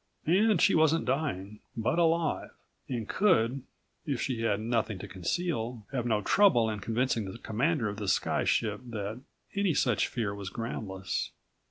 And she wasn't dying, but alive and could, if she had nothing to conceal, have no trouble in convincing the commander of the sky ship that any such fear was groundless.